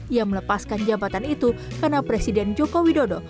ia melepaskan jabatan itu karena presiden joko widodo